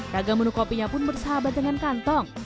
ragam menu kopinya pun bersahabat dengan kantong